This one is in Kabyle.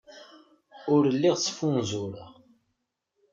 Ur lliɣ ttfunzureɣ.